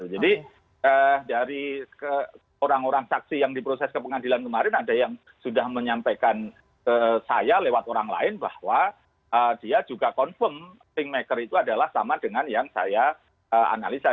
jadi dari orang orang saksi yang di proses kepengadilan kemarin ada yang sudah menyampaikan ke saya lewat orang lain bahwa dia juga confirm pinkmaker itu adalah sama dengan yang saya analisa